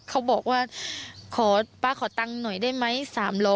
เขาบอกว่าขอป๊าขอตังค์หน่อยได้ไหม๓๐๐